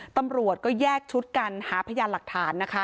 ตำรวจก็แยกชุดกันหาพยานหลักฐานนะคะ